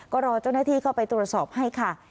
ก็รอเจ้าหน้าที่เข้าไปตรวจสอบให้ค่ะ